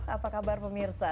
apa kabar pemirsa